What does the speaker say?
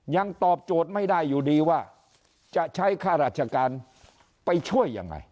ตอบโจทย์ไม่ได้อยู่ดีว่าจะใช้ค่าราชการไปช่วยยังไง